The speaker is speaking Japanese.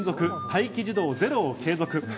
待機児童ゼロを継続。